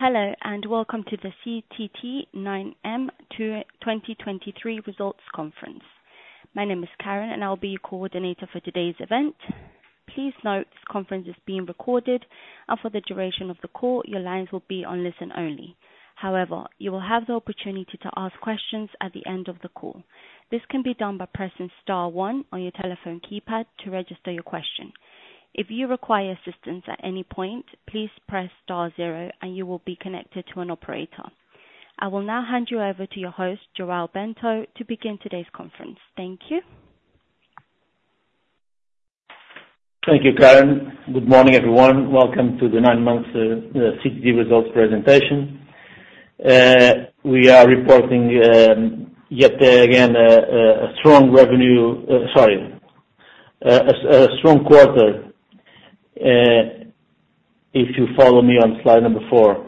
Hello, and welcome to the CTT 9M 2023 Results Conference. My name is Karen, and I'll be your coordinator for today's event. Please note, the conference is being recorded, and for the duration of the call, your lines will be on listen-only. However, you will have the opportunity to ask questions at the end of the call. This can be done by pressing star one on your telephone keypad to register your question. If you require assistance at any point, please press star zero, and you will be connected to an operator. I will now hand you over to your host, João Bento, to begin today's conference. Thank you. Thank you, Karen. Good morning, everyone. Welcome to the nine months CTT results presentation. We are reporting yet again a strong revenue, sorry, a strong quarter. If you follow me on slide number 4,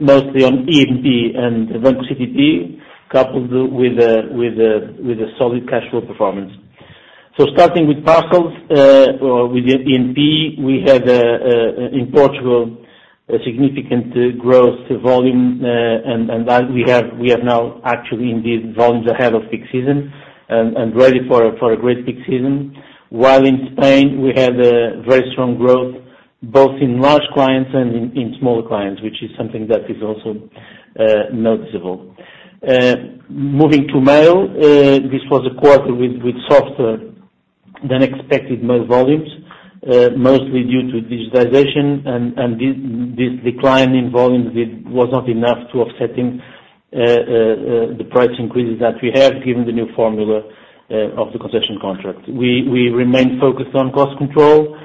mostly on E&P and Banco CTT, coupled with a solid cash flow performance. So starting with parcels, or with E&P, we had in Portugal a significant growth volume, and that we have, we have now actually, indeed, volumes ahead of peak season and ready for a great peak season. While in Spain, we had a very strong growth, both in large clients and in smaller clients, which is something that is also noticeable. Moving to mail, this was a quarter With softer than expected mail volumes, mostly due to digitization and this decline in volumes was not enough to offset the price increases that we have, given the new formula of the concession contract. We remain focused on cost control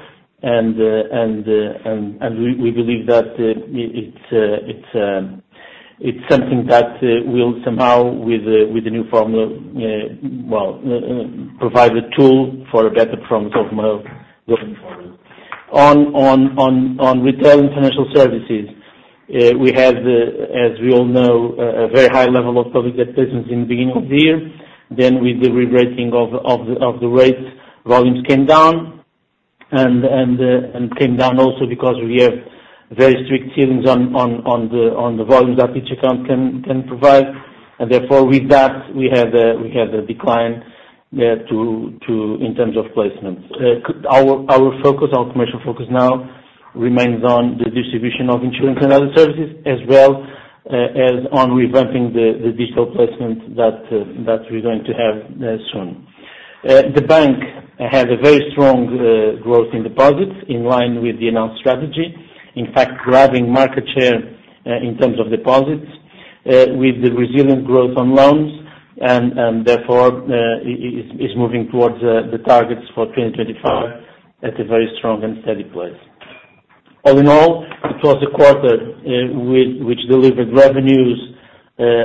and we believe that it's something that will somehow with the new formula, well, provide a tool for a better performance of mail going forward. On Retail and Financial Services, we have, as we all know, a very high level of public debt placements in the beginning of the year. Then with the re-rating of the rates, volumes came down and came down also because we have very strict ceilings on the volumes that each account can provide. And therefore, with that, we have a decline in terms of placement. Our commercial focus now remains on the distribution of insurance and other services, as well, as on revamping the digital placement that we're going to have soon. The bank has a very strong growth in deposits, in line with the announced strategy. In fact, grabbing market share in terms of deposits, with the resilient growth on loans, and therefore, is moving towards the targets for 2025 at a very strong and steady pace. All in all, it was a quarter which delivered revenues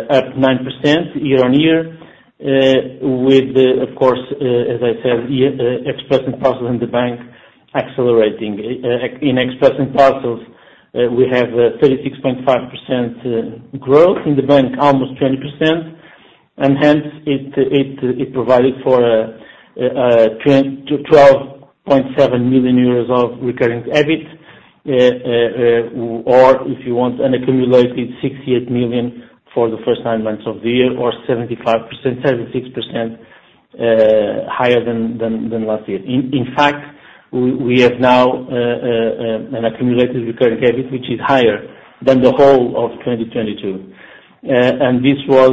up 9% year-on-year. With, of course, as I said, express and parcel in the bank accelerating. In Express and Parcels, we have a 36.5% growth. In the bank, almost 20%, and hence it provided for 12.7 million euros of Recurring EBIT. Or if you want an accumulated 68 million for the first nine months of the year or 75%, 76% higher than last year. In fact, we have now an accumulated Recurring EBIT, which is higher than the whole of 2022. And this was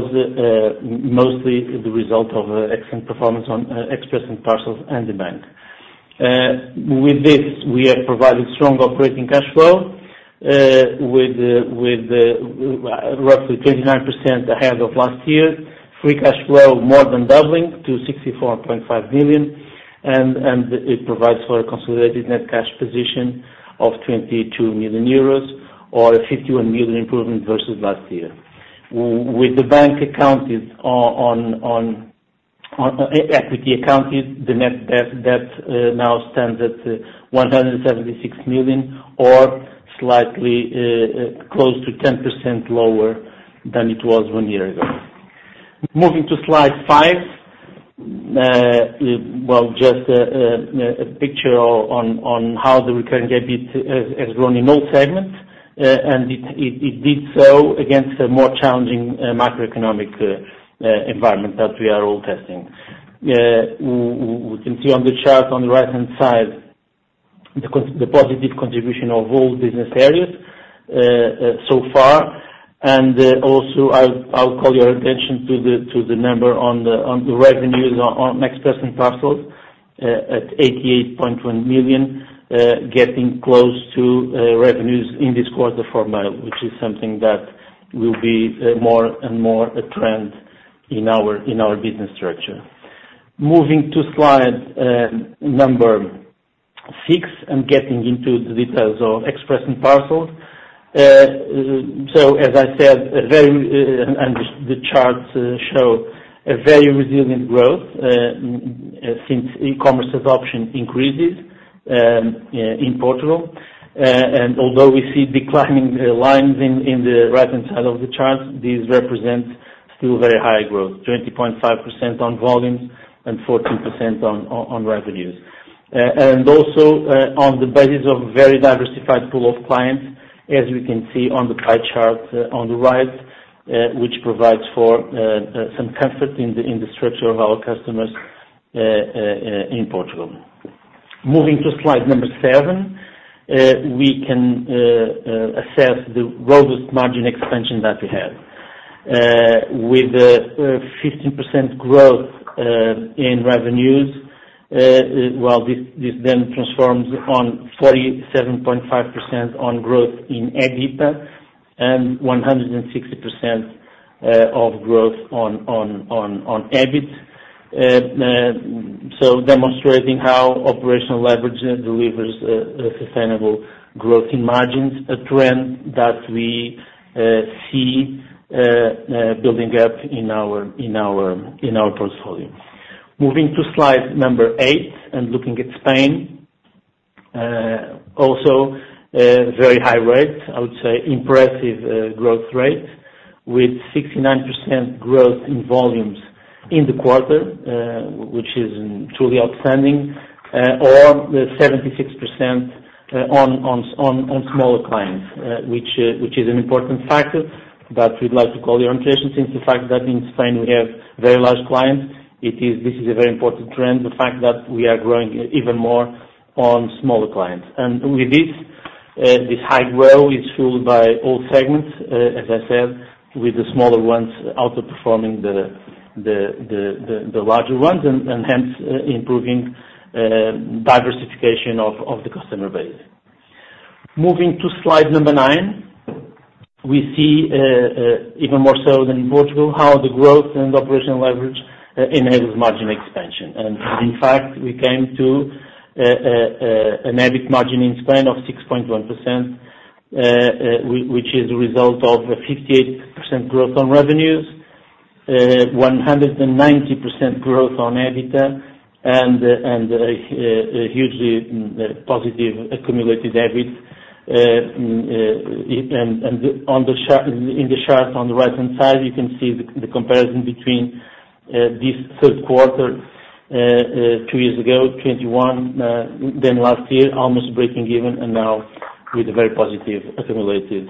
mostly the result of excellent performance on Express and Parcels and the bank. With this, we have provided strong operating cash flow, with the roughly 29% ahead of last year. Free cash flow more than doubling to 64.5 million, and it provides for a consolidated net cash position of 22 million euros or a 51 million improvement versus last year. With the bank accounted on equity accounted, the net debt now stands at 176 million or slightly close to 10% lower than it was one year ago. Moving to slide 5, well, just a picture on how the Recurring EBIT has grown in all segments, and it did so against a more challenging macroeconomic environment that we are all testing. We can see on the chart on the right-hand side, the positive contribution of all business areas so far. Also, I'll call your attention to the number on the revenues on Express and Parcels at 88.1 million, getting close to revenues in this quarter for mail, which is something that will be more and more a trend in our business structure. Moving to slide number 6 and getting into the details of Express and Parcels. So as I said, and the charts show a very resilient growth since e-commerce adoption increases in Portugal. And although we see declining lines in the right-hand side of the charts, these represent-... Still very high growth, 20.5% on volumes and 14% on revenues. And also, on the basis of very diversified pool of clients, as you can see on the pie chart on the right, which provides for some comfort in the structure of our customers in Portugal. Moving to slide number 7, we can assess the robust margin expansion that we have. With the 15% growth in revenues, well, this then transforms on 47.5% on growth in EBITDA and 160% of growth on EBIT. So demonstrating how operational leverage delivers a sustainable growth in margins, a trend that we see building up in our portfolio. Moving to slide number 8 and looking at Spain, also, a very high rate, I would say impressive, growth rate, with 69% growth in volumes in the quarter, which is truly outstanding. Or the 76%, on smaller clients, which is an important factor. But we'd like to call your attention to the fact that in Spain, we have very large clients, it is—this is a very important trend, the fact that we are growing even more on smaller clients. And with this, this high growth is fueled by all segments, as I said, with the smaller ones outperforming the larger ones and hence, improving diversification of the customer base. Moving to slide number 9, we see even more so than in Portugal, how the growth and operational leverage enables margin expansion. In fact, we came to an EBIT margin in Spain of 6.1%, which is a result of a 58% growth on revenues, 190% growth on EBITDA, and a hugely positive accumulated EBIT. And on the chart on the right-hand side, you can see the comparison between this third quarter two years ago, 2021, then last year, almost breaking even, and now with a very positive accumulated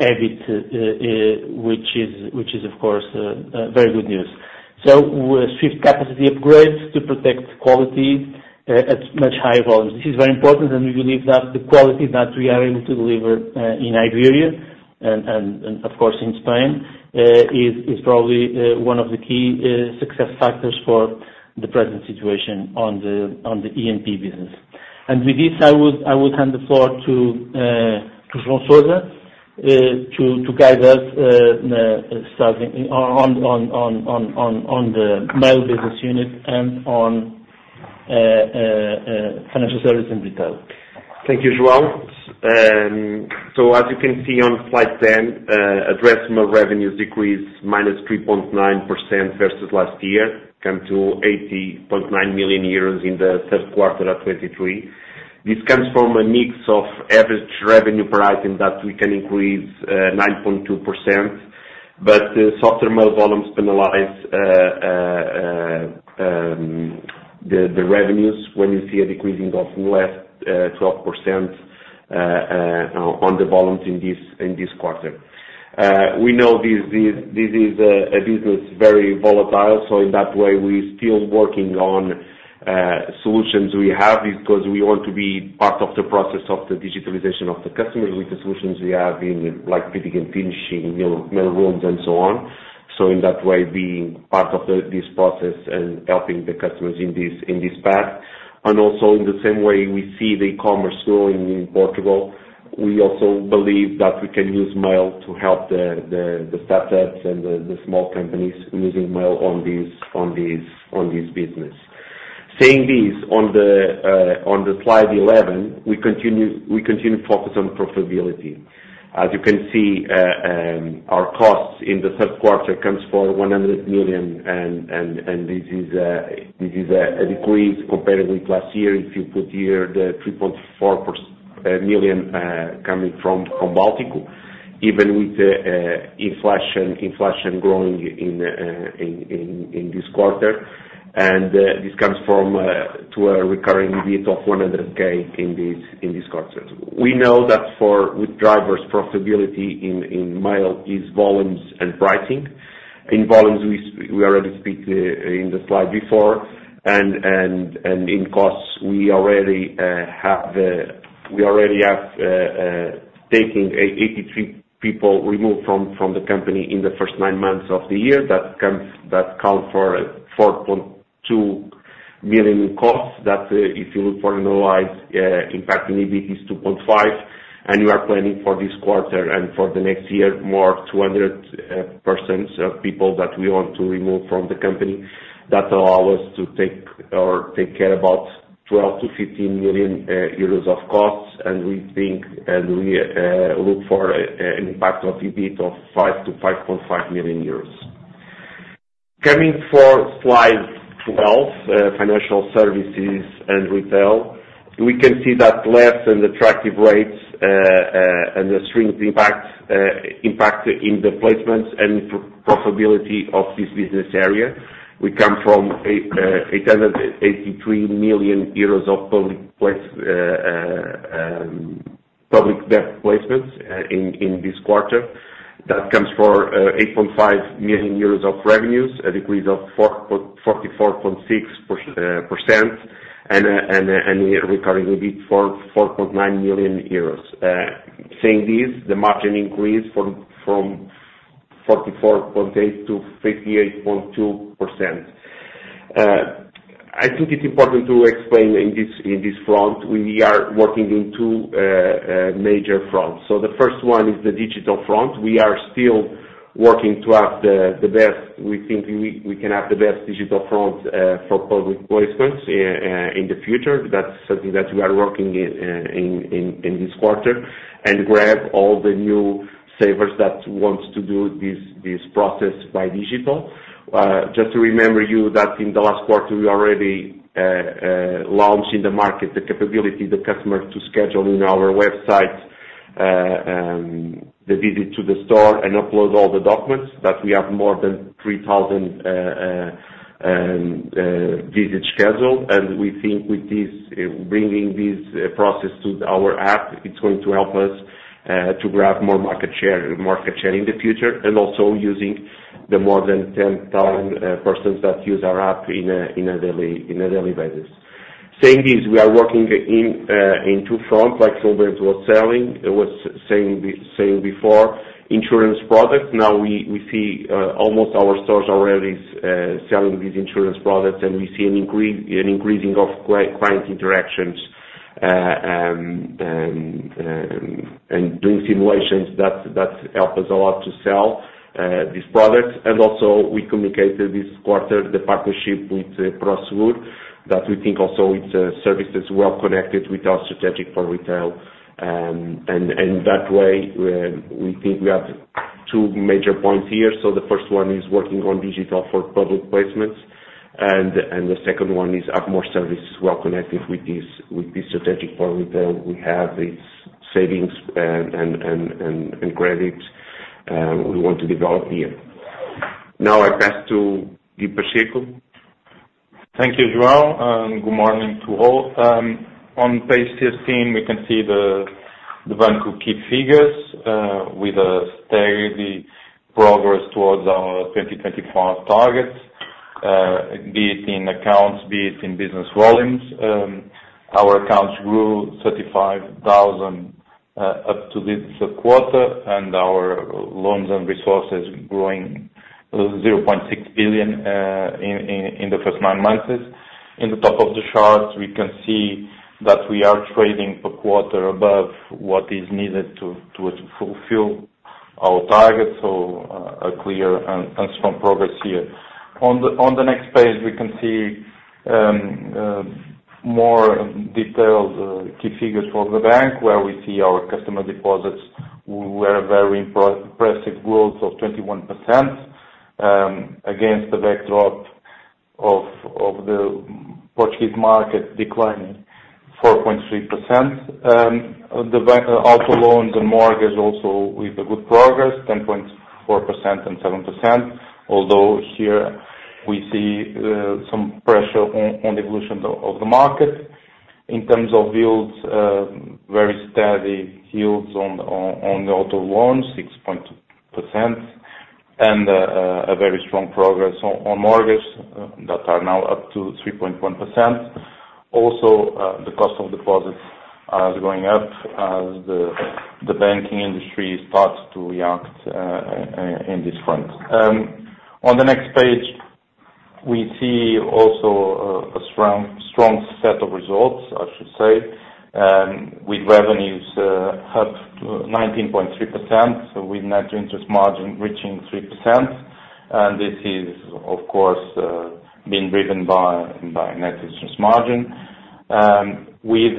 EBIT, which is, of course, very good news. So, swift capacity upgrades to protect quality at much higher volumes. This is very important, and we believe that the quality that we are able to deliver in Iberia and of course in Spain is probably one of the key success factors for the present situation on the EMP business. And with this, I would hand the floor to João Sousa to guide us starting on the Mail business unit and on financial service in retail. Thank you, João. So as you can see on slide 10, addressed mail revenues decreased -3.9% versus last year, come to 80.9 million euros in the Q32023. This comes from a mix of average revenue per item that we can increase 9.2%, but the softer mail volumes penalize the revenues when you see a decreasing of less 12% on the volumes in this quarter. We know this is a business very volatile, so in that way, we're still working on solutions we have because we want to be part of the process of the digitalization of the customers with the solutions we have in, like, printing and finishing, mail, mail rooms, and so on. So in that way, being part of this process and helping the customers in this path. And also, in the same way, we see the e-commerce growing in Portugal. We also believe that we can use mail to help the startups and the small companies using mail on this business. Saying this, on the slide 11, we continue to focus on profitability. As you can see, our costs in the Q3 comes for 100 million, and this is a decrease compared with last year. If you put here the 3.4 million coming from NewSpring, even with the inflation growing in this quarter. This comes from to a Recurring EBIT of 100,000 in this quarter. We know that with drivers profitability in mail is volumes and pricing. In volumes, we already speak in the slide before, and in costs, we already have taking 83 people removed from the company in the first nine months of the year. That comes, that count for 4.2 million in costs. That, if you look for normalized impact in EBIT is 2.5 million, and we are planning for this quarter and for the next year, more 200% of people that we want to remove from the company. That allow us to take care about 12-15 million euros of costs, and we think and we look for an impact of EBIT of 5-5.5 million euros. Coming for slide 12, Financial Services and Retail, we can see that less than attractive rates and the strength impact in the placements and profitability of this business area. We come from 883 million euros of public debt placements in this quarter. That comes for 8.5 million euros of revenues, a decrease of 44.6%, and a Recurring EBIT for 4.9 million euros. Saying this, the margin increased from 44.8% to 58.2%. I think it's important to explain in this front. We are working in two major fronts. So the first one is the digital front. We are still working to have the best we think we can have the best digital front for public placements in the future. That's something that we are working in this quarter, and grab all the new savers that wants to do this process by digital. Just to remember you that in the last quarter, we already launched in the market the capability of the customer to schedule in our website the visit to the store and upload all the documents, that we have more than 3,000 visit scheduled. We think with this bringing this process to our app, it's going to help us to grab more market share, market share in the future, and also using the more than 10,000 persons that use our app in a daily basis. Saying this, we are working in two fronts, like Bento was saying before, insurance products. Now we see almost our stores already selling these insurance products, and we see an increasing of client interactions and doing simulations that help us a lot to sell these products. And also, we communicated this quarter, the partnership with Crosswood, that we think also it's a services well connected with our strategy for Retail. And that way, we think we have two major points here. So the first one is working on digital for public placements, and the second one is have more services well connected with this strategic for Retail. We have these savings and credits we want to develop here. Now I pass to Guy Pacheco. Thank you, João, and good morning to all. On page 15, we can see the bank key figures with a steady progress towards our 2025 targets, be it in accounts, be it in business volumes. Our accounts grew 35,000 up to this quarter, and our loans and resources growing 0.6 billion in the first nine months. In the top of the chart, we can see that we are trading per quarter above what is needed to fulfill our targets, so a clear and strong progress here. On the next page, we can see more detailed key figures for the bank, where we see our customer deposits were very impressive growth of 21%, against the backdrop of the Portuguese market declining 4.3%. The bank, auto loans and mortgage also with a good progress, 10.4% and 7%, although here we see some pressure on the evolution of the market. In terms of yields, very steady yields on the auto loans, 6.2%, and a very strong progress on mortgage that are now up to 3.1%. Also, the cost of deposits are going up as the banking industry starts to react in this front. On the next page, we see also a strong set of results, I should say, with revenues up to 19.3%, so with net interest margin reaching 3%. And this is, of course, being driven by net interest margin. With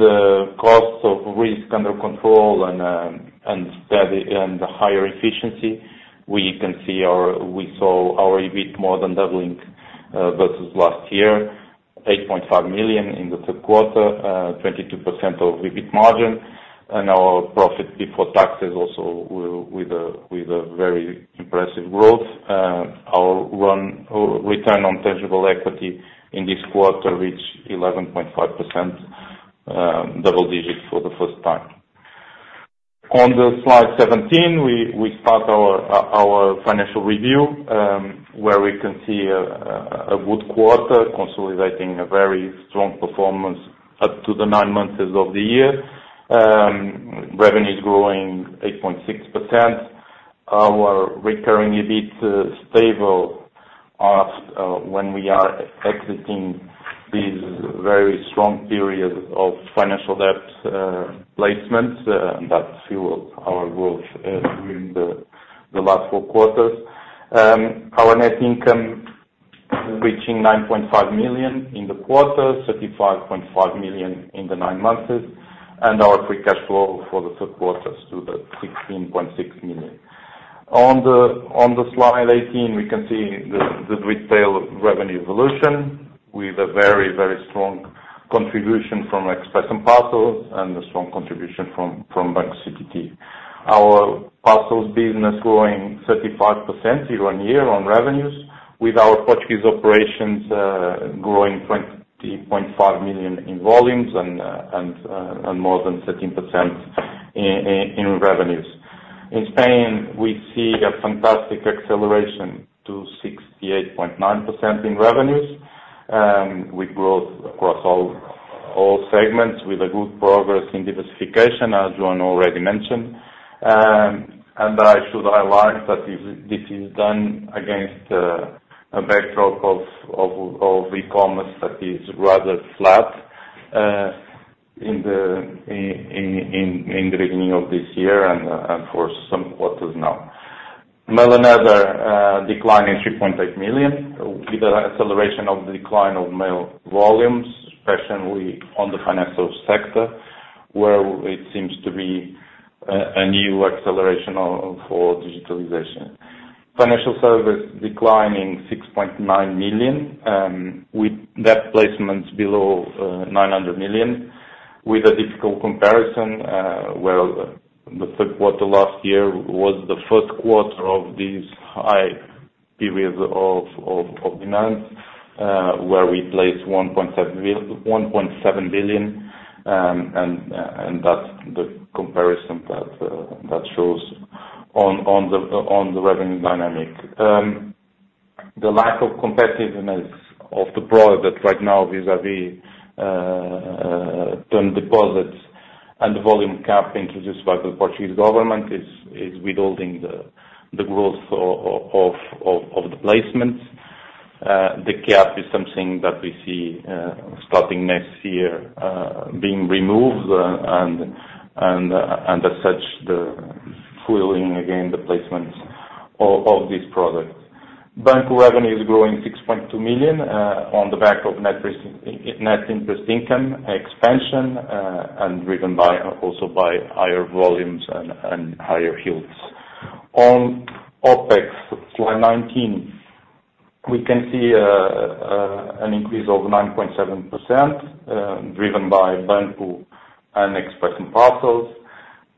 costs of risk under control and steady, and higher efficiency, we can see our-- we saw our EBIT more than doubling versus last year, 8.5 million in the Q3, 22% EBIT margin, and our profit before taxes also with a very impressive growth. Our return on tangible equity in this quarter reached 11.5%, double digits for the first time. On the slide 17, we start our financial review, where we can see a good quarter, consolidating a very strong performance up to the nine months of the year. Revenues growing 8.6%. Our Recurring EBIT, stable as, when we are exiting these very strong periods of financial debt, placements, that fueled our growth, during the last 4 quarters. Our net income reaching 9.5 million in the quarter, 35.5 million in the nine months.... and our free cash flow for the Q3 to the 16.6 million. On the slide 18, we can see the Retail revenue evolution with a very, very strong contribution from Express and Parcel and a strong contribution from Banco CTT. Our parcels business growing 35% year-on-year on revenues, with our Portuguese operations, growing 20.5 million in volumes and, and more than 13% in revenues. In Spain, we see a fantastic acceleration to 68.9% in revenues, with growth across all segments with a good progress in diversification, as John already mentioned. And I should highlight that this is done against a backdrop of E-commerce that is rather flat in the beginning of this year and for some quarters now. Mail & Other declining 3.8 million, with an acceleration of the decline of mail volumes, especially on the financial sector, where it seems to be a new acceleration of digitalization. Financial Service declining 6.9 million, with debt placements below 900 million, with a difficult comparison, where the Q3 last year was the Q1 of these high periods of finance, where we placed 1.7 billion, and that's the comparison that shows on the revenue dynamic. The lack of competitiveness of the product right now vis-à-vis term deposits and the volume cap introduced by the Portuguese government is withholding the growth of the placements. The cap is something that we see starting next year being removed, and as such, fueling again the placements of this product. Bank revenue is growing 6.2 million on the back of net interest, net interest income expansion, and driven by also by higher volumes and higher yields. On OpEx, slide 19, we can see an increase of 9.7%, driven by Banco and Express and Parcels.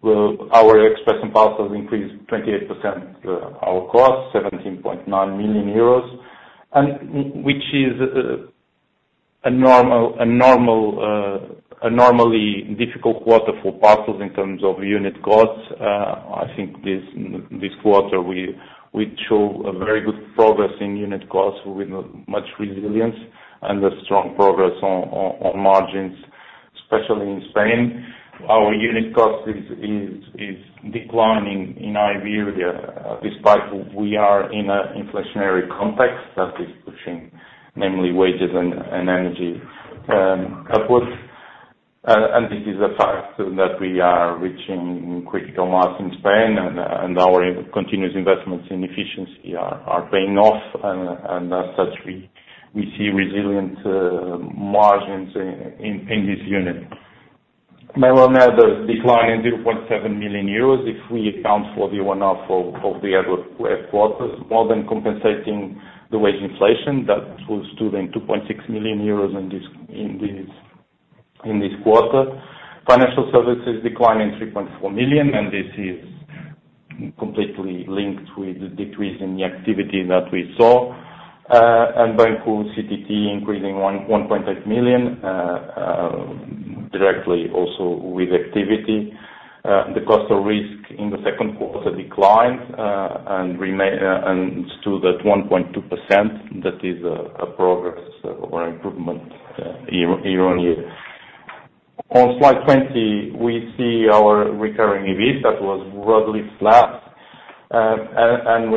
Well, our Express and Parcels increased 28%, our cost 17.9 million euros, and which is a normal, normally difficult quarter for parcels in terms of unit costs. I think this quarter we show a very good progress in unit costs with much resilience and a strong progress on margins, especially in Spain. Our unit cost is declining in Iberia, despite we are in a inflationary context that is pushing mainly wages and energy upwards. And this is a fact that we are reaching critical mass in Spain and our continuous investments in efficiency are paying off, and as such, we see resilient margins in this unit. Mail and Other decline in 0.7 million euros if we account for the one-off of the other quarter, more than compensating the wage inflation that was to then 2.6 million euros in this quarter. Financial Services declining 3.4 million, and this is completely linked with the decrease in the activity that we saw. And Banco CTT increasing 1.8 million, directly also with activity. The cost of risk in the Q2 declined and remain and stood at 1.2%. That is a progress or improvement year-on-year. On slide 20, we see our Recurring EBIT that was roughly flat, and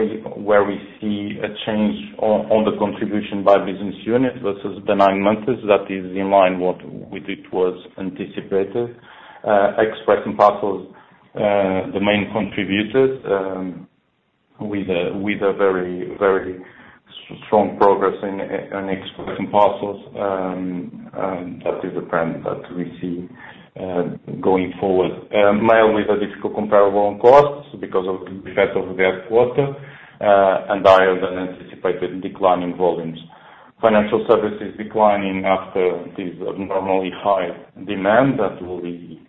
where we see a change on the contribution by business unit versus the nine months, that is in line with what it was anticipated. Express and Parcels, the main contributors, with a very strong progress in Express and Parcels, that is a trend that we see going forward. Mail with a difficult comparable on costs because of the effect of the third quarter, and higher than anticipated declining volumes. Financial Services declining after this abnormally high demand that will be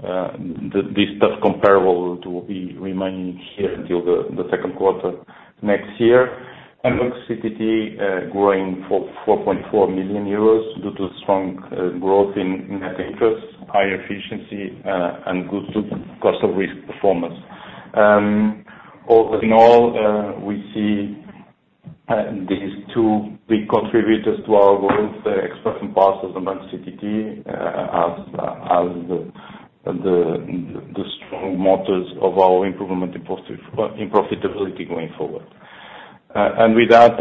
this tough comparable to be remaining here until the Q2 next year. Banco CTT, growing for 4.4 million euros due to strong growth in net interest, higher efficiency, and good cost of risk performance. All in all, we see these two big contributors to our growth, the Express and Parcels and Banco CTT, as the strong motors of our improvement in profitability going forward. And with that,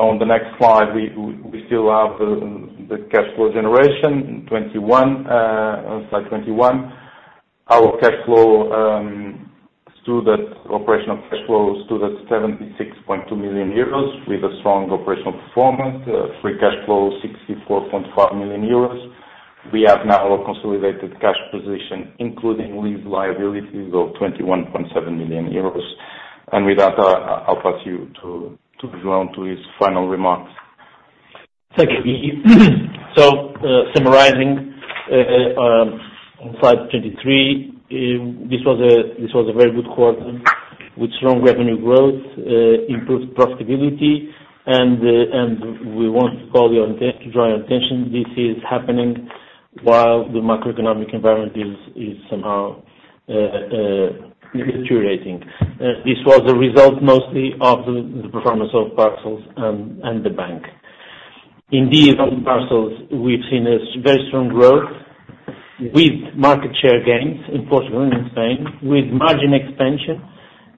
on the next slide, we still have the cash flow generation on slide 21. Our cash flow stood at operational cash flow stood at 76.2 million euros, with a strong operational performance. Free cash flow, 64.5 million euros. We have now a consolidated cash position, including lease liabilities, of 21.7 million euros. With that, I'll pass you to João to his final remarks. Thank you. So, summarizing, on slide 23, this was a very good quarter, with strong revenue growth, improved profitability, and we want to draw your attention, this is happening while the macroeconomic environment is somehow deteriorating. This was a result mostly of the performance of parcels and the bank. Indeed, on parcels, we've seen very strong growth with market share gains in Portugal and in Spain, with margin expansion,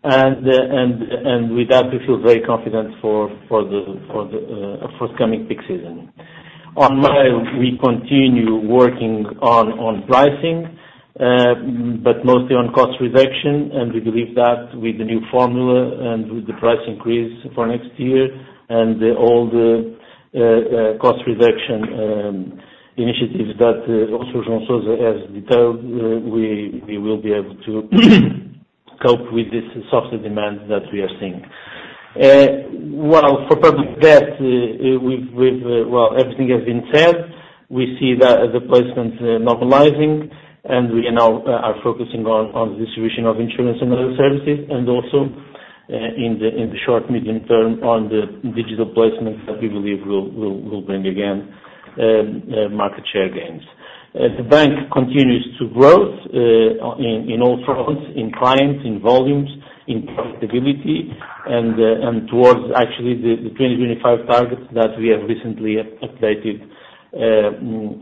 and with that, we feel very confident for the forthcoming peak season. On mail, we continue working on pricing, but mostly on cost reduction, and we believe that with the new formula and with the price increase for next year and all the cost reduction initiatives that also João Sousa has detailed, we will be able to cope with this softer demand that we are seeing. Well, for public debt, we've well, everything has been said. We see the placements normalizing, and we are now focusing on the distribution of insurance and other services, and also in the short-medium term, on the digital placements that we believe will bring again market share gains. The bank continues to grow in all fronts, in clients, in volumes, in profitability, and towards actually the 2025 targets that we have recently updated with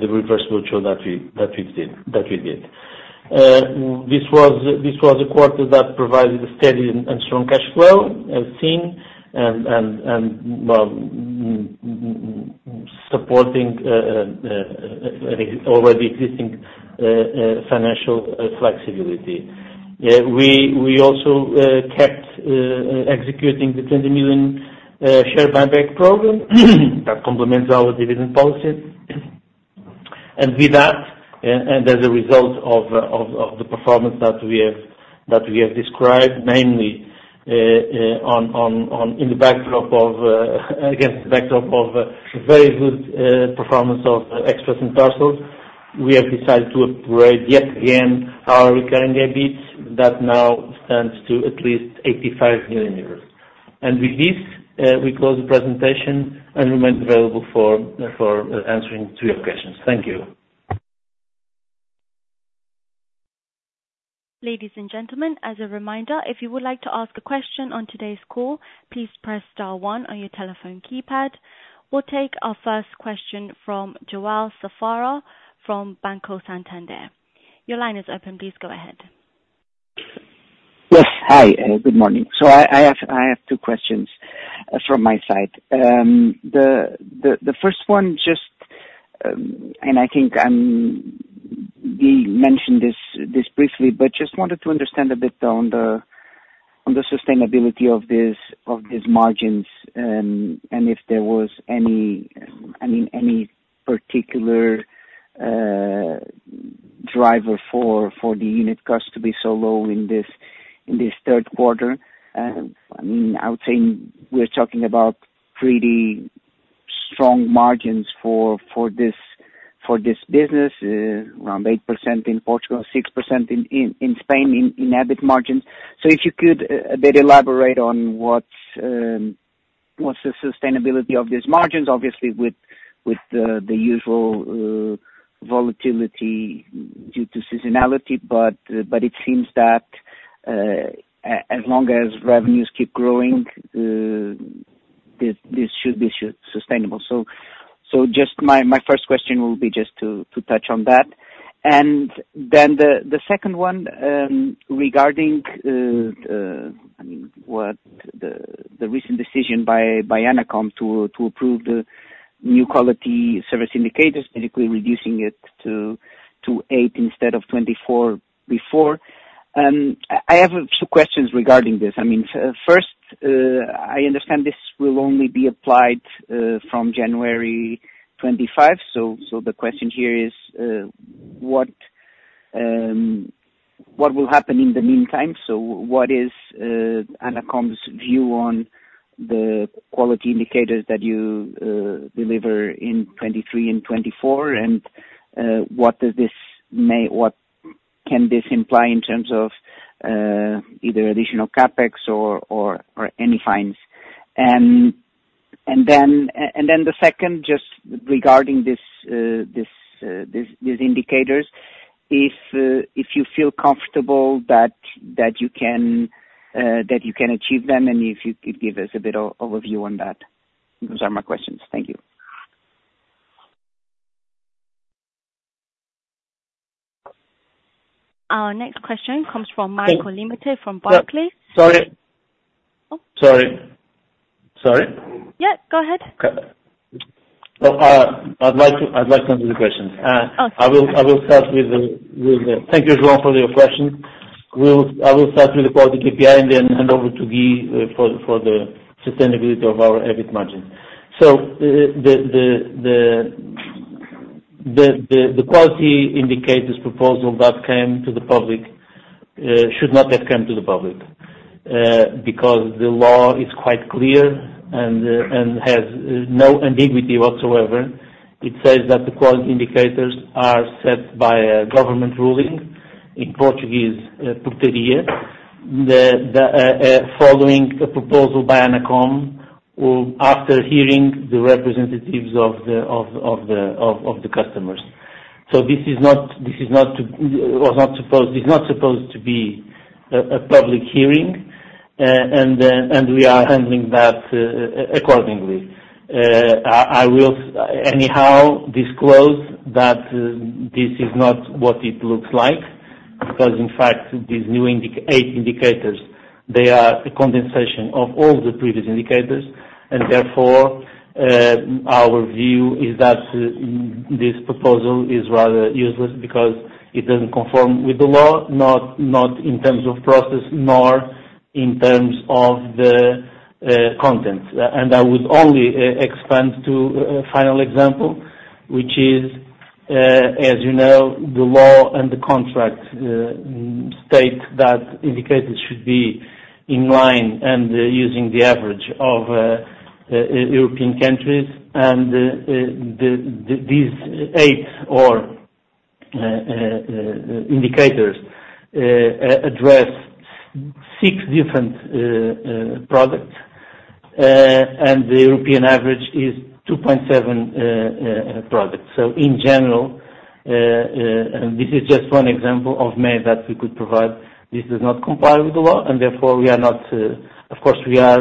the reverse virtual that we did. This was a quarter that provided a steady and strong cash flow, as seen, and well, maintaining supporting over the existing financial flexibility. We also kept executing the 20 million share buyback program that complements our dividend policy. And with that, as a result of the performance that we have described, namely, against the backdrop of very good performance of Express and Parcels, we have decided to upgrade, yet again, our Recurring EBIT that now stands to at least 85 million euros. And with this, we close the presentation and remain available for answering to your questions. Thank you. Ladies and gentlemen, as a reminder, if you would like to ask a question on today's call, please press star one on your telephone keypad. We'll take our first question from João Safara from Banco Santander. Your line is open, please go ahead. Yes. Hi, good morning. So I have two questions from my side. The first one, just, and I think we mentioned this briefly, but just wanted to understand a bit on the sustainability of these margins, and if there was any, I mean, any particular driver for the unit costs to be so low in this third quarter. I mean, I would say we're talking about pretty strong margins for this business, around 8% in Portugal, 6% in Spain, in EBIT margin. So if you could a bit elaborate on what's the sustainability of these margins, obviously with the usual volatility due to seasonality. But it seems that as long as revenues keep growing, this should be sustainable. So just my first question will be just to touch on that. And then the second one, regarding, I mean, what the recent decision by ANACOM to approve the new quality service indicators, basically reducing it to 8 instead of 24 before. I have two questions regarding this. I mean, first, I understand this will only be applied from January 2025. So the question here is, what will happen in the meantime? So what is ANACOM's view on the quality indicators that you deliver in 2023 and 2024? What can this imply in terms of either additional CapEx or any fines? Then, the second, just regarding these indicators, if you feel comfortable that you can achieve them, and if you could give us a bit of overview on that. Those are my questions. Thank you. ... Our next question comes from Marco Limite from Barclays. Sorry. Sorry, sorry? Yeah, go ahead. Okay. Well, I'd like to answer the question. I will start with the, thank you, João, for your question. I will start with the quality KPI and then hand over to Guy for the sustainability of our EBIT margin. So the quality indicators proposal that came to the public should not have come to the public because the law is quite clear and has no ambiguity whatsoever. It says that the quality indicators are set by a government ruling in Portuguese. Following the proposal by ANACOM, or after hearing the representatives of the customers. So this is not supposed to be a public hearing, and we are handling that accordingly. I will anyhow disclose that this is not what it looks like, because in fact, these new indicators, they are a condensation of all the previous indicators, and therefore, our view is that this proposal is rather useless because it doesn't conform with the law, not in terms of process, nor in terms of the content. And I would only expand to a final example, which is, as you know, the law and the contract state that indicators should be in line and using the average of European countries and these eight indicators address six different products. And the European average is 2.7 products. So in general, and this is just one example of many that we could provide. This does not comply with the law, and therefore, we are not. Of course, we are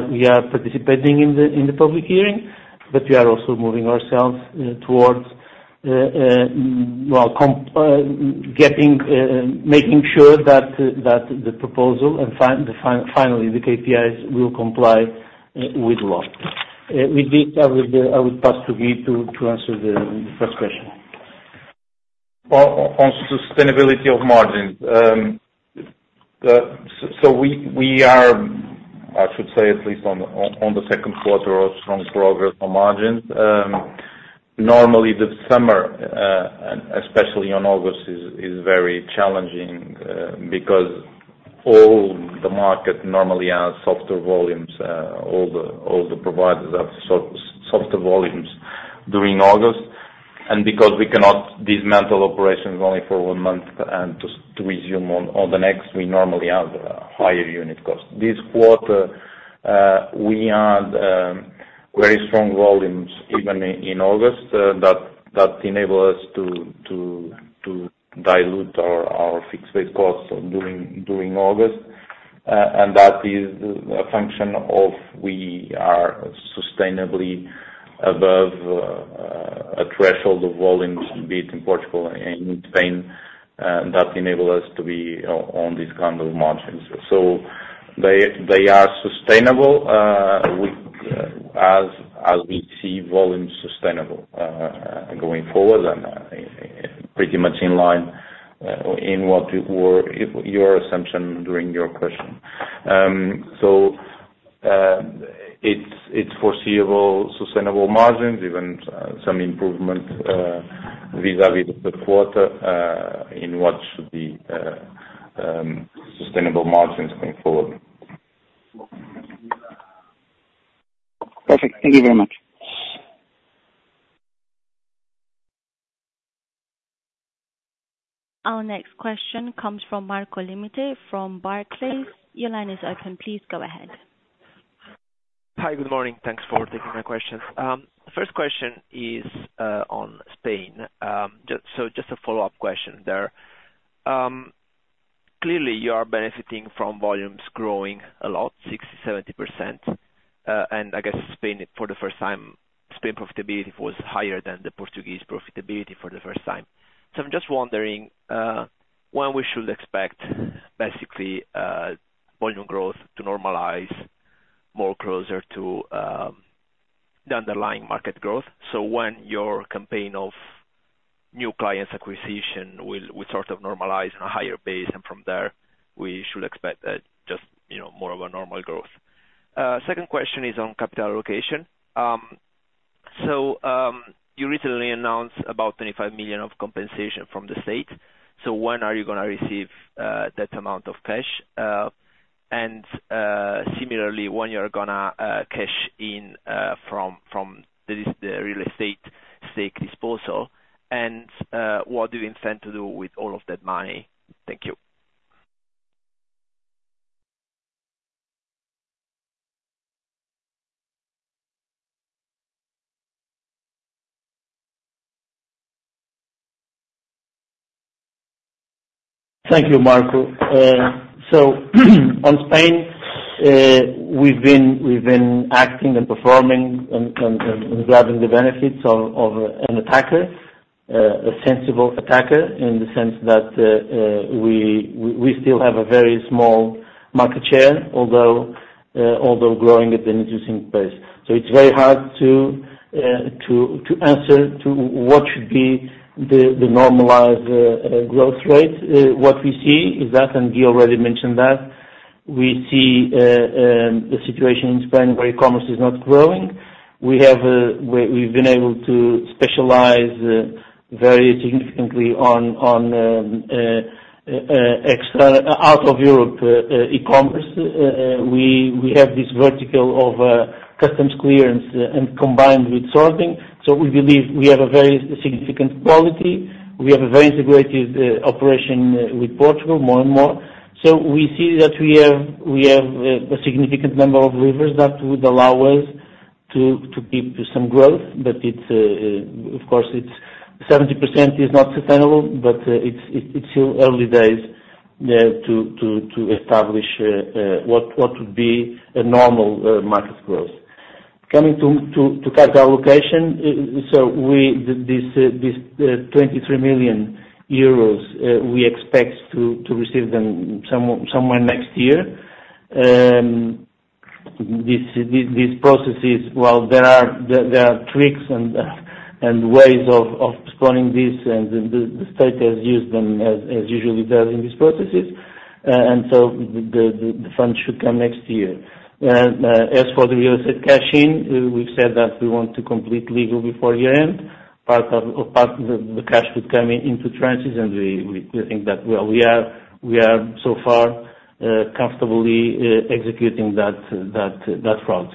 participating in the public hearing, but we are also moving ourselves towards, well, getting, making sure that the proposal and finally, the KPIs will comply with the law. With this, I will pass to Guy to answer the first question. On sustainability of margins. So we are, I should say, at least on the second quarter of strong progress on margins. Normally, the summer, and especially in August, is very challenging, because all the market normally has softer volumes. All the providers have softer volumes during August. And because we cannot dismantle operations only for one month and just to resume on the next, we normally have higher unit costs. This quarter, we had very strong volumes even in August, that enable us to dilute our fixed base costs during August. And that is a function of we are sustainably above a threshold of volumes, be it in Portugal and Spain, that enable us to be on these kinds of margins. So they are sustainable with as we see volumes sustainable going forward and pretty much in line in what were your assumption during your question. So it's foreseeable sustainable margins, even some improvement vis-a-vis the third quarter in what should be sustainable margins going forward. Perfect. Thank you very much. Our next question comes from Marco Limite, from Barclays. Your line is open. Please go ahead. Hi, good morning. Thanks for taking my questions. First question is on Spain. Just a follow-up question there. Clearly, you are benefiting from volumes growing a lot, 60%-70%. And I guess Spain, for the first time, Spain profitability was higher than the Portuguese profitability for the first time. So I'm just wondering when we should expect basically volume growth to normalize more closer to the underlying market growth. So when your campaign of new clients acquisition will sort of normalize on a higher base, and from there, we should expect a just, you know, more of a normal growth. Second question is on capital allocation. You recently announced about 25 million of compensation from the state. So when are you gonna receive that amount of cash? And, similarly, when you're gonna cash in from this, the real estate disposal, and what do you intend to do with all of that money? Thank you. Thank you, Marco. So, on Spain-... we've been acting and performing and grabbing the benefits of an attacker, a sensible attacker, in the sense that we still have a very small market share, although growing at an interesting pace. So it's very hard to answer to what should be the normalized growth rate. What we see is that, and Guy already mentioned that, we see the situation in Spain where e-commerce is not growing. We've been able to specialize very significantly on out of Europe e-commerce. We have this vertical of customs clearance and combined with sorting. So we believe we have a very significant quality. We have a very integrated operation with Portugal more and more. So we see that we have a significant number of levers that would allow us to keep some growth, but of course, it's 70% is not sustainable, but it's still early days to establish what would be a normal market growth. Coming to capital allocation, so this 23 million euros we expect to receive them somewhere next year. These processes, while there are tweaks and ways of sponsoring this, and the state has used them as usually does in these processes. And so the fund should come next year. As for the real estate cashing, we've said that we want to complete legal before year end. Part of the cash would come in into tranches, and we think that, well, we are so far comfortably executing that route.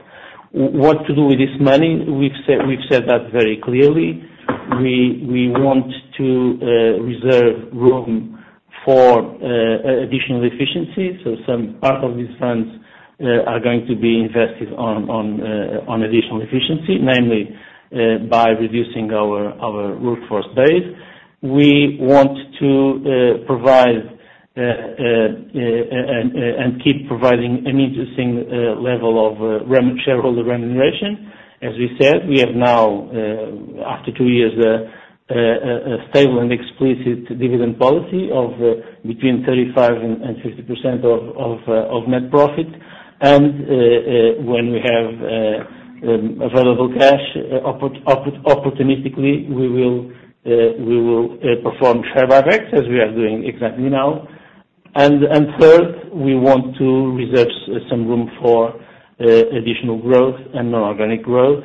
What to do with this money? We've said that very clearly. We want to reserve room for additional efficiencies. So some part of these funds are going to be invested on additional efficiency, namely by reducing our workforce base. We want to provide and keep providing an interesting level of shareholder remuneration. As we said, we have now, after two years, a stable and explicit dividend policy of between 35% and 50% of net profit. And when we have available cash, opportunistically, we will perform share buybacks, as we are doing exactly now. And third, we want to reserve some room for additional growth and non-organic growth,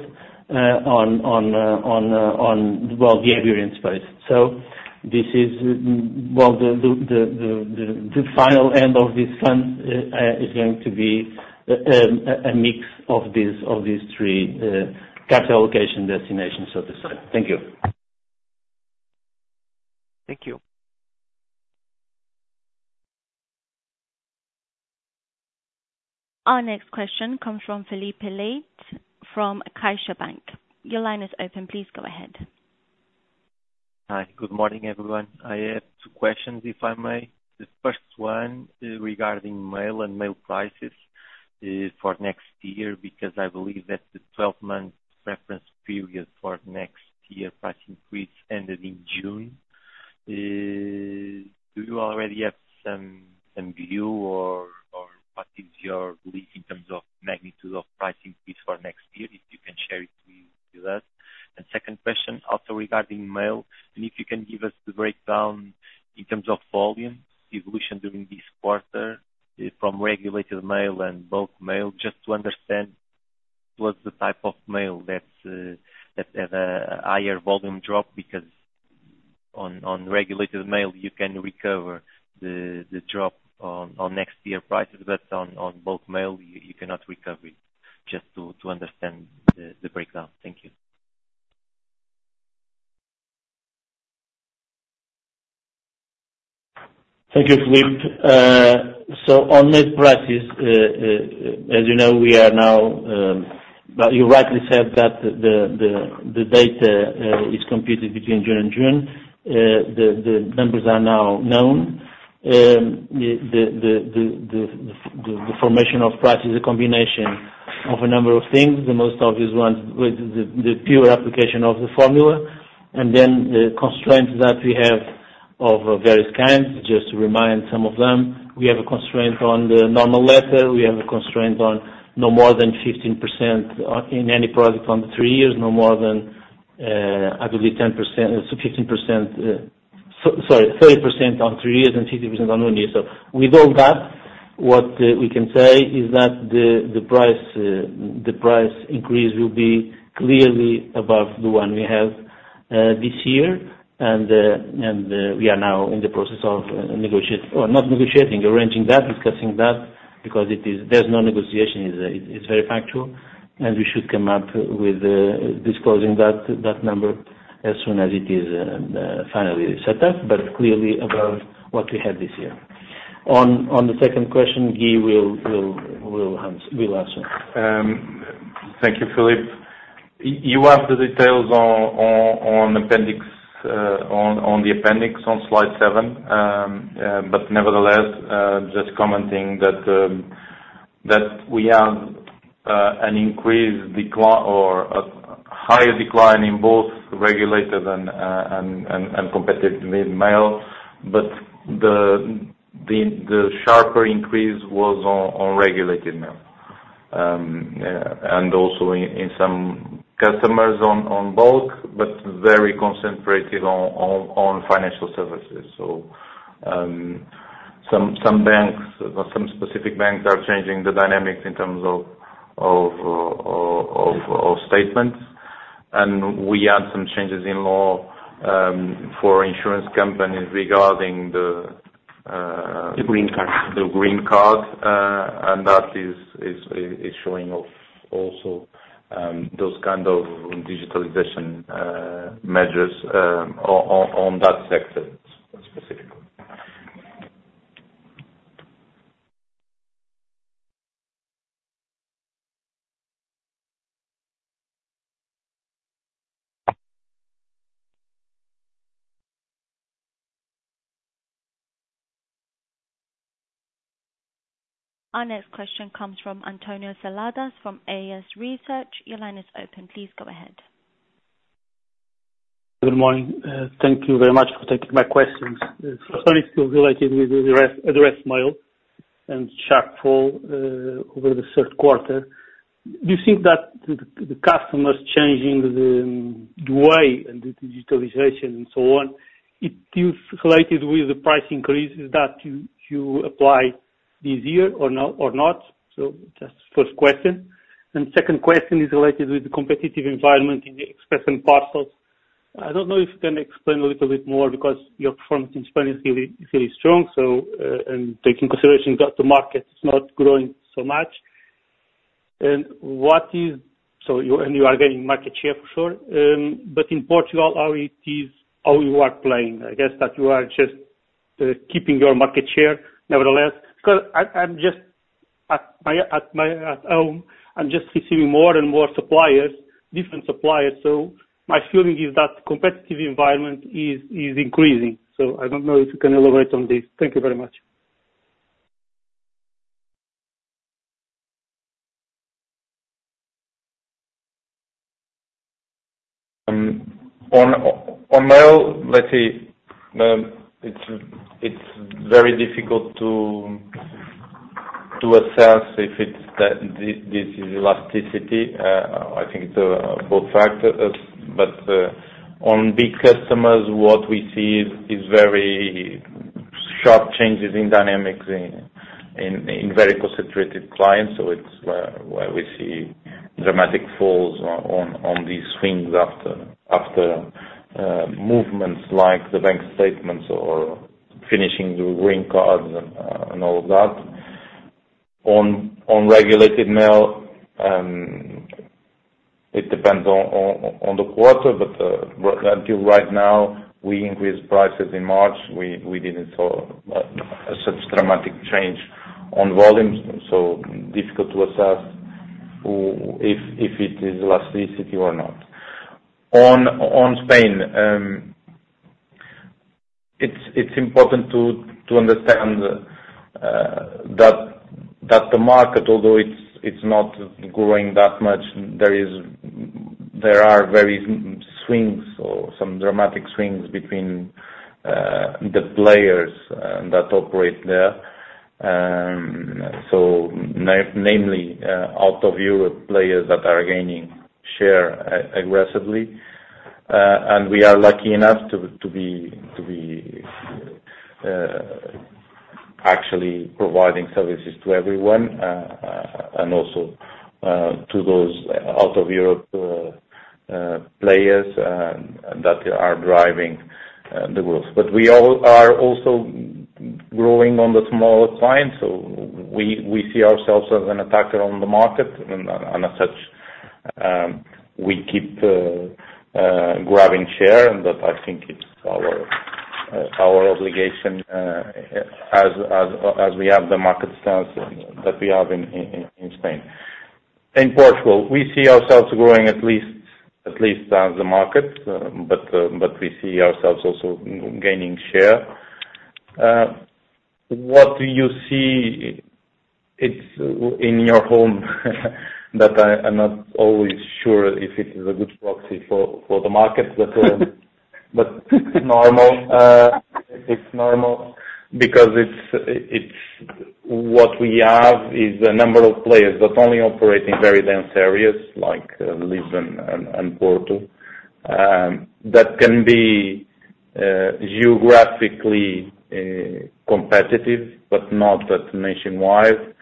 on the delivery space. So this is, well, the final end of this fund is going to be a mix of these three capital allocation destinations of the site. Thank you. Thank you. Our next question comes from Filipe Leite, from CaixaBank. Your line is open. Please go ahead. Hi, good morning, everyone. I have two questions, if I may. The first one is regarding mail and mail prices for next year, because I believe that the 12-month reference period for next year price increase ended in June. Do you already have some view or what is your belief in terms of magnitude of price increase for next year, if you can share it with us? And second question, also regarding mail, and if you can give us the breakdown in terms of volume evolution during this quarter from regulated mail and bulk mail, just to understand what's the type of mail that has a higher volume drop, because on regulated mail, you can recover the drop on next year prices, but on bulk mail, you cannot recover it. Just to understand the breakdown. Thank you. Thank you, Filipe. So on net prices, as you know, we are now, well, you rightly said that the data is computed between June and June. The formation of price is a combination of a number of things. The most obvious one with the pure application of the formula, and then the constraints that we have of various kinds. Just to remind some of them, we have a constraint on the normal letter, we have a constraint on no more than 15% in any product on the three years, no more than, I believe 10%, so 15%, sorry, 30% on three years and 50% on one year. So with all that, what we can say is that the, the price, the price increase will be clearly above the one we have this year. And, and, we are now in the process of nego- oh, not negotiating, arranging that, discussing that, because it is- there's no negotiation, it's, it's very factual, and we should come up with, disclosing that, that number as soon as it is finally set up, but clearly above what we had this year. On, on the second question, Guy will, will, will ans- will answer.... Thank you, Filipe. You have the details on the appendix on slide 7. But nevertheless, just commenting that we have an increased decline or a higher decline in both regulated and competitive mail, but the sharper increase was on regulated mail. And also in some customers on bulk, but very concentrated on Financial Services. So, some banks, or some specific banks are changing the dynamics in terms of statements. And we had some changes in law for insurance companies regarding the The Green Card. The Green Card and that is showing off also those kind of digitalization measures on that sector specifically. Our next question comes from Antonio Seladas from AS Research. Your line is open, please go ahead. Good morning. Thank you very much for taking my questions. So it's related with the addressed mail and sharp fall over the third quarter. Do you think that the customers changing the way and the digitalization and so on, it is related with the price increases that you applied this year or not? So just first question. And second question is related with the competitive environment in the Express and Parcels. I don't know if you can explain a little bit more because your performance in Spain is really, really strong, so, and taking consideration that the market is not growing so much. And what is... So you, and you are gaining market share, for sure. But in Portugal, how it is, how you are playing? I guess that you are just keeping your market share nevertheless, because I'm just at home, I'm just receiving more and more suppliers, different suppliers. So my feeling is that competitive environment is increasing. So I don't know if you can elaborate on this? Thank you very much. On mail, let's say, it's very difficult to assess if it's elasticity. I think it's both factors. But on big customers, what we see is very sharp changes in dynamics in very concentrated clients. So it's why we see dramatic falls on these swings after movements like the bank statements or finishing the Green Cards and all of that. On regulated mail, it depends on the quarter, but until right now, we increased prices in March. We didn't saw such dramatic change on volumes, so difficult to assess if it is elasticity or not. On Spain, it's important to understand that the market, although it's not growing that much, there are very swings or some dramatic swings between the players that operate there. So namely, out of Europe, players that are gaining share aggressively. And we are lucky enough to be actually providing services to everyone, and also to those out of Europe players that are driving the growth. But we are also growing on the smaller clients, so we see ourselves as an attacker on the market, and as such, we keep grabbing share, and that, I think, it's our obligation as we have the market stance that we have in Spain. In Portugal, we see ourselves growing at least as the market, but we see ourselves also gaining share. What do you see? It's in your home? That, I'm not always sure if it is a good proxy for the market, but it's normal. It's normal because it's what we have is a number of players that only operate in very dense areas like Lisbon and Porto that can be geographically competitive, but not that nationwide.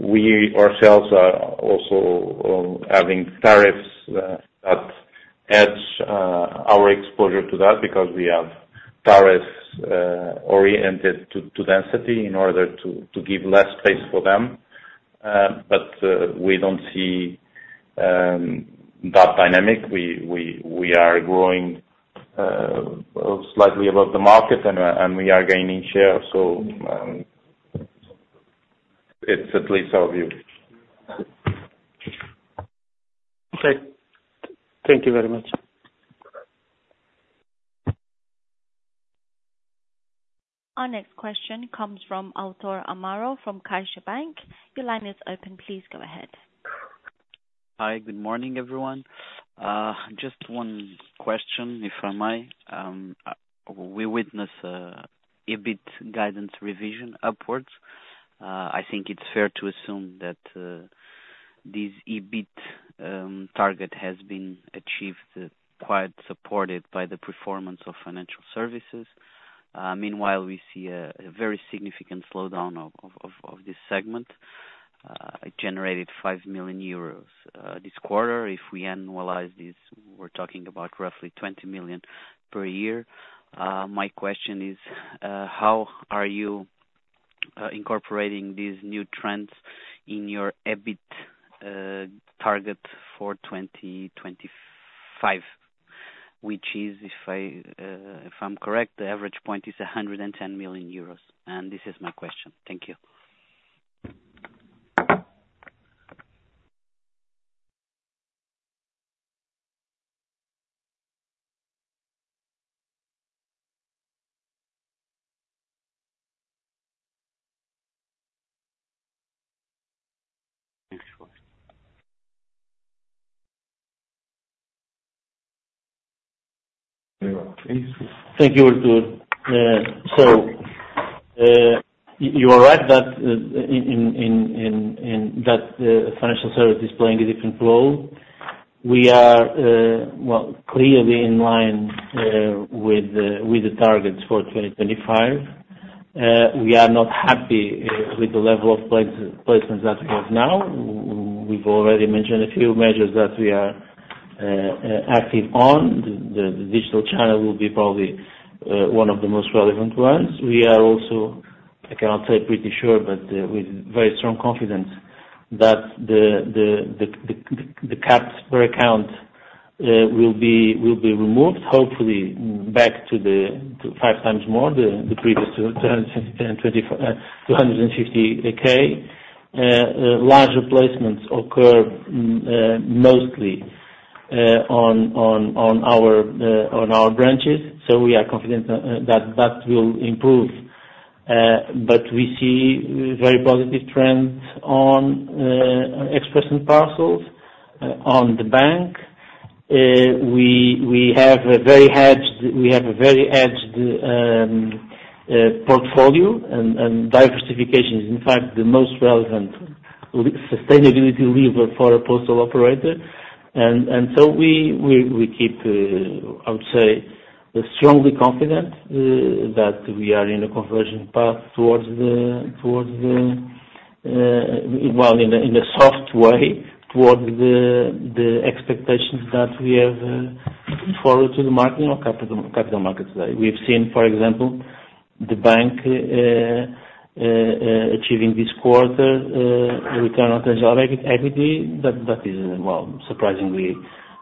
We ourselves are also having tariffs that edge our exposure to that because we have tariffs oriented to density in order to give less space for them. But we don't see that dynamic. We are growing-... slightly above the market, and we are gaining share, so it's at least our view. Okay. Thank you very much. Our next question comes from Artur Amaro from CaixaBank. Your line is open, please go ahead. Hi, good morning, everyone. Just one question, if I may. We witness EBIT guidance revision upwards. I think it's fair to assume that this EBIT target has been achieved quite supported by the performance of Financial Services. Meanwhile, we see a very significant slowdown of this segment. It generated 5 million euros this quarter. If we annualize this, we're talking about roughly 20 million per year. My question is, how are you incorporating these new trends in your EBIT target for 2025? Which is, if I'm correct, the average point is 110 million euros, and this is my question. Thank you. Thank you, Artur. So, you are right that financial service is playing a different role. We are, well, clearly in line with the targets for 2025. We are not happy with the level of placements as of now. We've already mentioned a few measures that we are acting on. The digital channel will be probably one of the most relevant ones. We are also, I cannot say pretty sure, but with very strong confidence that the caps per account will be removed, hopefully back to five times more the previous 224, 250,000. Larger placements occur mostly on our branches, so we are confident that that will improve. But we see very positive trends on Express and Parcels on the bank. We have a very hedged portfolio and diversification is, in fact, the most relevant sustainability lever for a postal operator. And so we keep, I would say, strongly confident that we are in a conversion path towards the... well, in a soft way, towards the expectations that we have forward to the market or capital markets today. We've seen, for example, the bank achieving this quarter return on tangible equity. That, that is, well, surprisingly,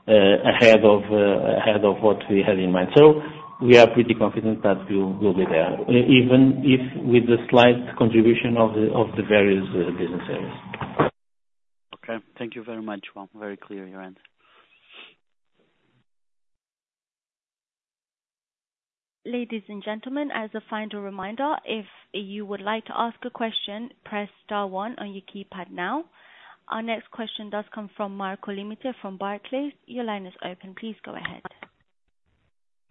ahead of, ahead of what we had in mind. So we are pretty confident that we will be there, even if with the slight contribution of the, of the various, business areas. Okay. Thank you very much. Well, very clear, your answer. Ladies and gentlemen, as a final reminder, if you would like to ask a question, press star one on your keypad now. Our next question does come from Marco Limite, from Barclays. Your line is open, please go ahead.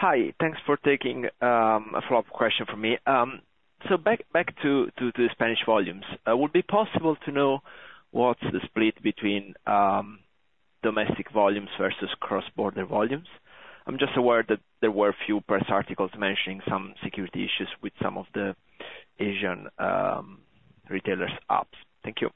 Hi, thanks for taking a follow-up question from me. So back to the Spanish volumes. Would it be possible to know what's the split between domestic volumes versus cross-border volumes? I'm just aware that there were a few press articles mentioning some security issues with some of the Asian retailers' apps. Thank you.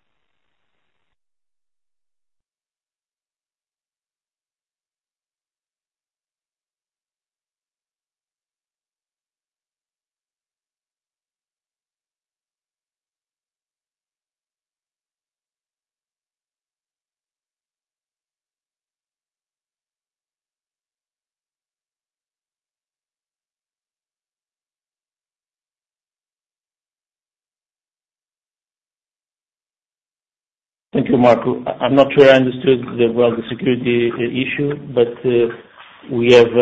Thank you, Marco. I'm not sure I understood very well the security issue, but we have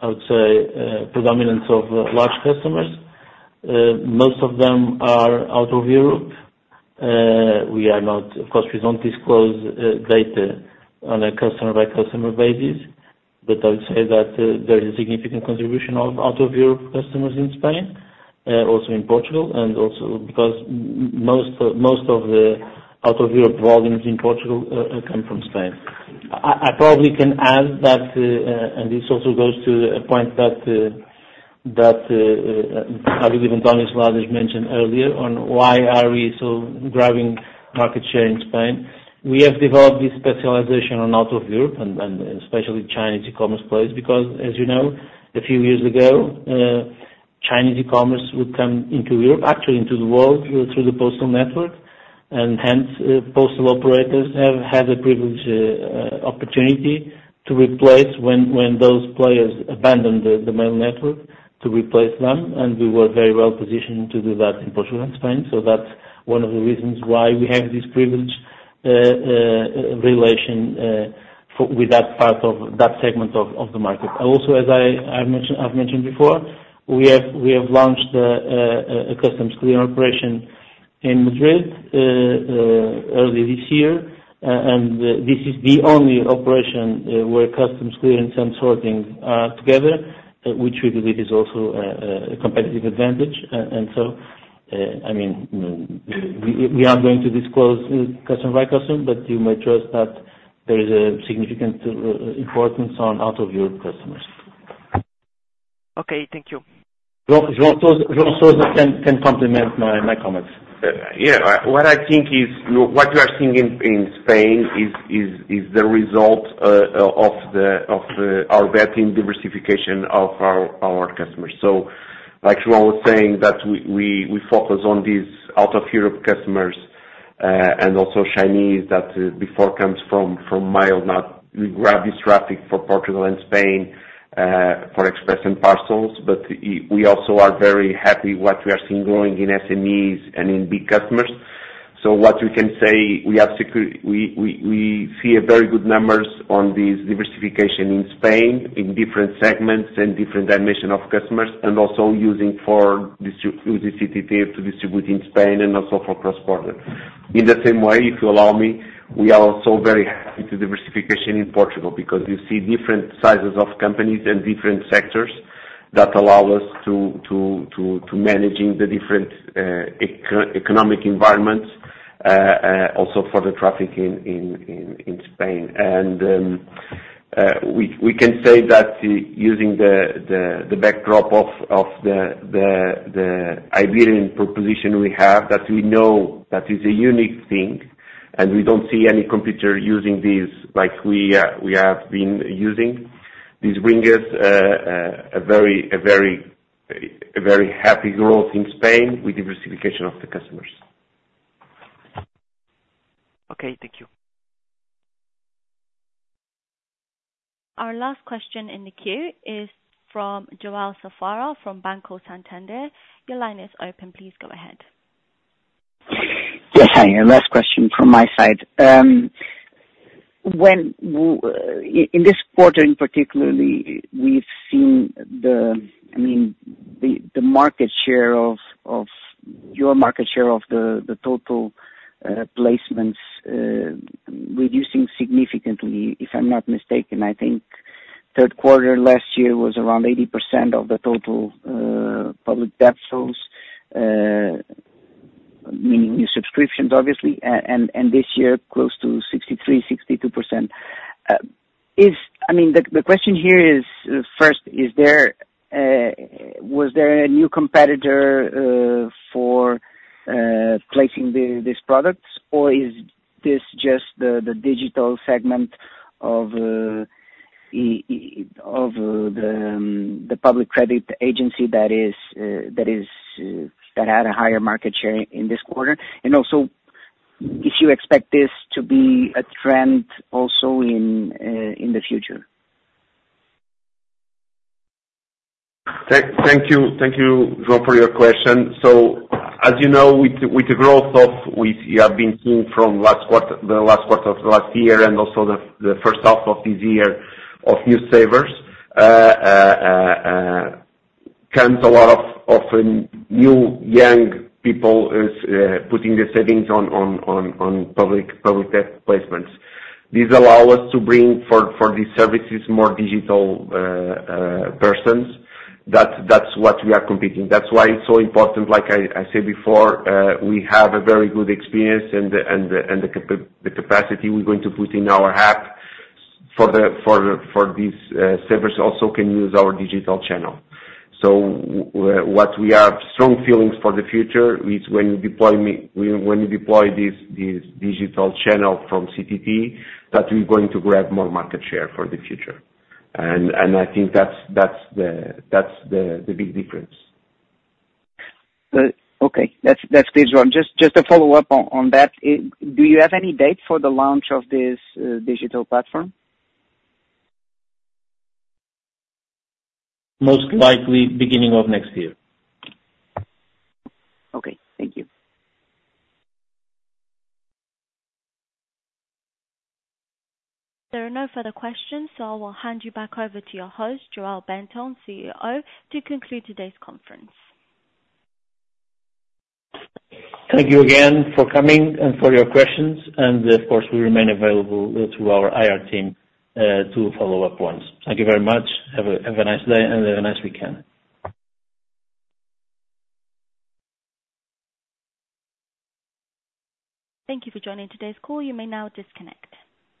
I would say predominance of large customers. Most of them are out of Europe. We are not... Of course, we don't disclose data on a customer-by-customer basis, but I would say that there is a significant contribution of out of Europe customers in Spain, also in Portugal, and also because most of the out of Europe volumes in Portugal come from Spain. I probably can add that and this also goes to a point that I believe Antonio Seladas mentioned earlier on why are we so grabbing market share in Spain? We have developed this specialization on out of Europe and especially Chinese e-commerce players, because as you know, a few years ago, Chinese e-commerce would come into Europe, actually into the world, through the postal network... and hence, postal operators have had a privileged opportunity to replace when those players abandoned the mail network to replace them, and we were very well positioned to do that in Portugal and Spain. So that's one of the reasons why we have this privileged relation with that part of that segment of the market. Also, as I've mentioned before, we have launched a customs clearance operation in Madrid early this year. This is the only operation where customs clearance and sorting are together, which we believe is also a competitive advantage. I mean, we are going to disclose customer by customer, but you may trust that there is a significant importance on out of your customers. Okay, thank you. João, João Sousa can complement my comments. Yeah. What I think is, what you are seeing in Spain is the result of the our betting diversification of our customers. So like João was saying, that we focus on these out of Europe customers, and also Chinese, that before comes from mail, not grab this traffic for Portugal and Spain, for Express and Parcels. But we also are very happy what we are seeing growing in SMEs and in big customers. So what we can say, we see a very good numbers on this diversification in Spain, in different segments and different dimension of customers, and also using CTT to distribute in Spain and also for cross-border. In the same way, if you allow me, we are also very happy to diversification in Portugal, because you see different sizes of companies and different sectors that allow us to managing the different economic environments, also for the traffic in Spain. And we can say that using the backdrop of the Iberian proposition we have, that we know that is a unique thing, and we don't see any competitor using this like we are, we have been using. This bring us a very happy growth in Spain with diversification of the customers. Okay, thank you. Our last question in the queue is from João Safara from Banco Santander. Your line is open, please go ahead. Yes, hi, and last question from my side. When in this quarter, in particular, we've seen the, I mean, the market share of your market share of the total placements reducing significantly. If I'm not mistaken, I think third quarter last year was around 80% of the total public debt sales, meaning new subscriptions, obviously, and this year close to 63, 62%. I mean, the question here is, first, was there a new competitor for placing these products? Or is this just the digital segment of the public credit agency that had a higher market share in this quarter? And also, if you expect this to be a trend also in the future? Thank you. Thank you, João, for your question. So as you know, with the growth of which we have been seeing from last quarter, the last quarter of last year and also the first half of this year, of new savers, comes a lot of new young people putting their savings on public debt placements. These allow us to bring for these services, more digital persons. That's what we are competing. That's why it's so important, like I said before, we have a very good experience and the capacity we're going to put in our app for these savers also can use our digital channel. So what we have strong feelings for the future is when you deploy this digital channel from CTT, that we're going to grab more market share for the future. And I think that's the big difference. Okay. That's, that's clear, João. Just, just a follow-up on, on that. Do you have any date for the launch of this digital platform? Most likely, beginning of next year. Okay, thank you. There are no further questions, so I will hand you back over to your host, João Bento, CEO, to conclude today's conference. Thank you again for coming and for your questions. And of course, we remain available through our IR team, to follow up ones. Thank you very much. Have a, have a nice day and have a nice weekend. Thank you for joining today's call. You may now disconnect.